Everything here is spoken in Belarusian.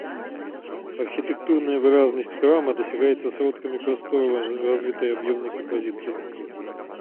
Архітэктурная выразнасць храма дасягаецца сродкамі прасторава развітай аб'ёмнай кампазіцыі.